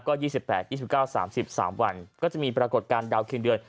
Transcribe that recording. ก็๒๘๒๙๓๓วันก็จะมีปรากฏการณ์ดาวคิงเดือน